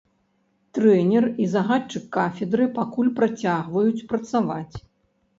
Трэнер і загадчык кафедры пакуль працягваюць працаваць.